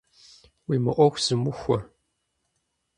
Уи мыӏуэху зумыхуэ!